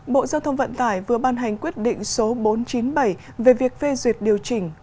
bộ giao thông vận tải vừa ban hành quyết định số bốn trăm chín mươi bảy về việc phê duyệt điều chỉnh